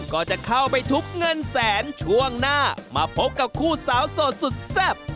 ก็จะเข้าไปทุบเงินแสนช่วงหน้ามาพบกับคู่สาวโสดสุดแซ่บ